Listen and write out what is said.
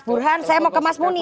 burhan saya mau ke mas muni